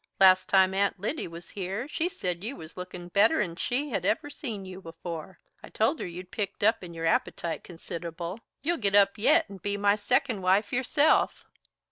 Last time Aunt Lyddy was here she said you was lookin' better'n she ever see you before. I told her you'd picked up in your appetite consid'able. You'll git up yet and be my second wife yourself."